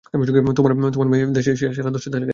তোমার মেয়ে সেরা দশের তালিকায় আছে।